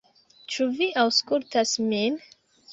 "Ĉu vi aŭskultas min?"